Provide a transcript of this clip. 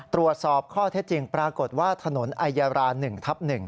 ตรวจสอบข้อเท็จจริงปรากฏว่าถนนไอยารา๑ทับ๑